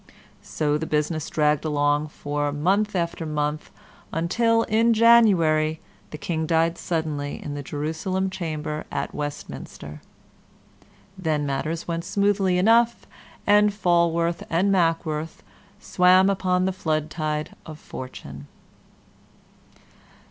So the business dragged along for month after month, until in January the King died suddenly in the Jerusalem Chamber at Westminster. Then matters went smoothly enough, and Falworth and Mackworth swam upon the flood tide of fortune.